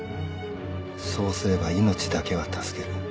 そうすれば命だけは助ける。